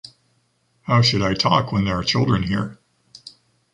How should i talk when there are children here?